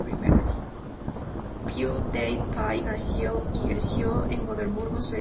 PewDiePie nació y creció en Gotemburgo, Suecia.